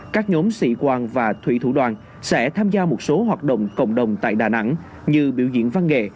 các nhóm sĩ quan và thủy thủ đoàn sẽ tham gia một số hoạt động cộng đồng tại đà nẵng như biểu diễn văn nghệ